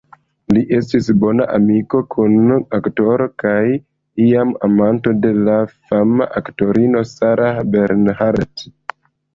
Li estis bona amiko, kun-aktoro, kaj iam amanto de la fama aktorino Sarah Bernhardt.